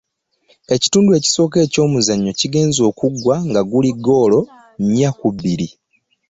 Ekitundu ekisooka eky'omuzannyo kigenze okuggwa nga guli ggoolo nnya ku bbiri.